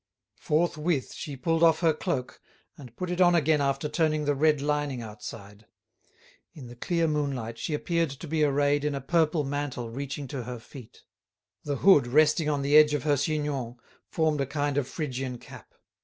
Forthwith she pulled off her cloak, and put it on again after turning the red lining outside. In the clear moonlight she appeared to be arrayed in a purple mantle reaching to her feet. The hood resting on the edge of her chignon formed a kind of Phrygian cap.